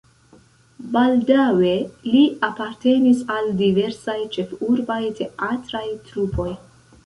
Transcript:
Baldaŭe li apartenis al diversaj ĉefurbaj teatraj trupoj.